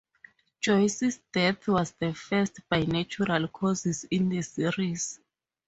Joyce's death was the first by natural causes in the series.